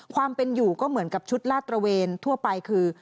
ความเป็นอยู่ก็เหมือนกับชุดลาดตระเวนทั่วไปคือ